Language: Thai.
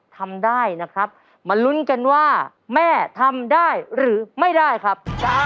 ทำได้นะครับมาลุ้นกันว่าแม่ทำได้หรือไม่ได้ครับ